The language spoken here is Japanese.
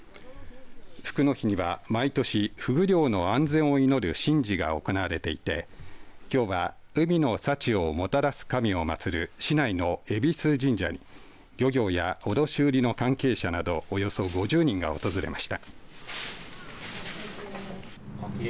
ふくの日には毎年ふぐ漁の安全を祈る神事が行われていてきょうは海の幸をもたらす神を祭る市内の恵比須神社に漁業や卸売の関係者などおよそ５０人が訪れました。